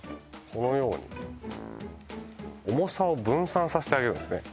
このように重さを分散させてあげるんですね